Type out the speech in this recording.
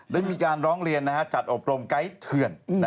ได้มีการร้องเรียนจัดอบรมไกด์เถื่อน